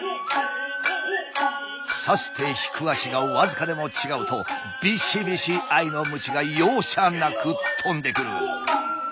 さす手引く足が僅かでも違うとビシビシ愛の鞭が容赦なく飛んでくる。